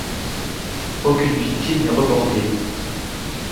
Aucune victime n'est reportée.